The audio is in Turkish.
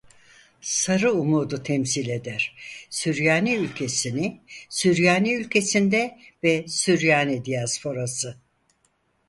Sarı umudu temsil eder "Süryani ülkesini Süryani ülkesinde ve Süryani diasporası".